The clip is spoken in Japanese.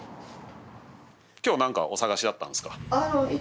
今日何かお探しだったんですか？